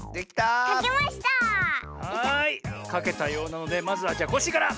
かけたようなのでまずはコッシーから。